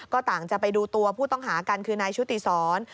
ก็ต่างจะไปดูตัวผู้ต้องหากันคือนายชุติศร